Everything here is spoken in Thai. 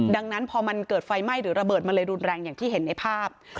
ดังนั้นพอมันเกิดไฟไหม้หรือระเบิดมันเลยรุนแรงอย่างที่เห็นในภาพ